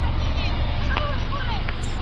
چي دايي گاني ډيري سي، د کوچني سر کوږ راځي.